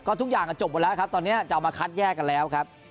ทุกอย่างจบหมดแล้วครับตอนนี้จะเอามาคัดแยกกันแล้วครับ